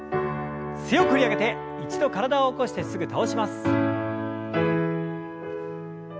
強く振り上げて一度体を起こしてすぐ倒します。